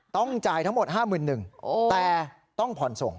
ต้องจ่ายทั้งหมด๕หมื่นหนึ่งโอ้โหแต่ต้องผ่อนส่ง